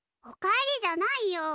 お帰りじゃないよ。